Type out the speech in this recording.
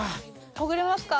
ほぐれますか？